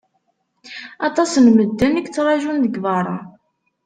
Aṭas n medden i yettrajun deg berra.